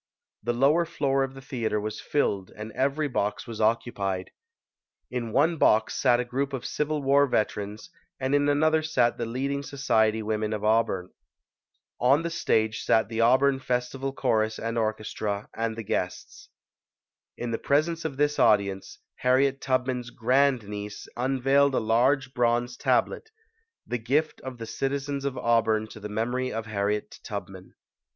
The lower floor of the theatre was filled and every box was occupied. In one box sat a group of Civil War veterans and in another sat the leading so ciety women of Auburn. On the stage sat the Auburn Festival Chorus and Orchestra and the guests. In the presence of this audience, Harriet Tub man's grand niece unveiled a large bronze tablet the gift of the citizens of Auburn to the memory of Harriet Tubman.